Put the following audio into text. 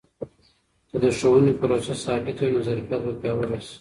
که د ښوونې پروسه ثابته وي، نو ظرفیت به پیاوړی سي.